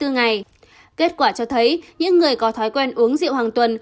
hai mươi bốn ngày kết quả cho thấy những người có thói quen uống rượu hàng tuần